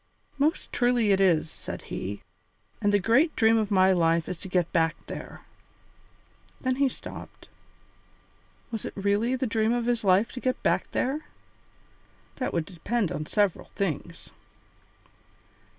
"Most truly it is," said he, "and the great dream of my life is to get back there." Then he stopped. Was it really the dream of his life to get back there? That would depend upon several things.